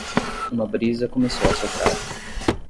Uma brisa começou a soprar.